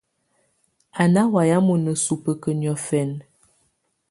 Á ná wayɛ̀á mɔ̀na subǝ́kǝ́ niɔ̀fɛnɛ.